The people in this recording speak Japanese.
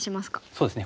そうですね